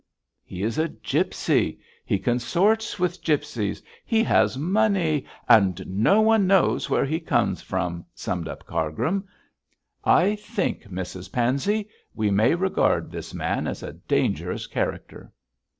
'He is a gipsy, he consorts with gipsies, he has money, and no one knows where he comes from,' summed up Cargrim. 'I think, Mrs Pansey, we may regard this man as a dangerous character.'